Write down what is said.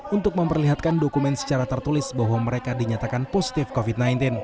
untuk memperlihatkan dokumen secara tertulis bahwa mereka dinyatakan positif covid sembilan belas